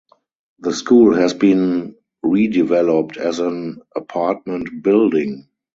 The school has been redeveloped as an apartment building.